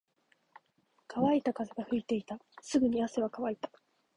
乾いた風が吹いていた。すぐに汗は乾いた。